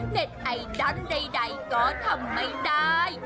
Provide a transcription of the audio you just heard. ไอดอลใดก็ทำไม่ได้